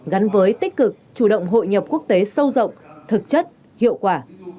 gắn với tích cực chủ động hội nhập quốc tế sâu rộng thực chất hiệu quả